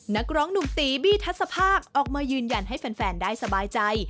นักร้องหนุ่มตีบี้ทัศภาคออกมายืนยันให้แฟนได้สบายใจ